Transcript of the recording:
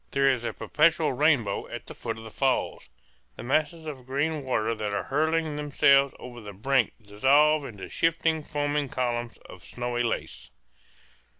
There is a perpetual rainbow at the foot of the falls. The masses of green water that are hurling themselves over the brink dissolve into shifting, foaming columns of snowy lace.